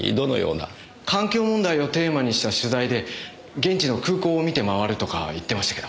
環境問題をテーマにした取材で現地の空港を見て回るとか言ってましたけど。